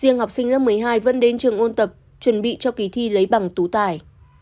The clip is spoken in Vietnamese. riêng học sinh lớp một mươi hai vẫn đến trường ôn tập chuẩn bị cho kỳ thi lấy bằng tú tài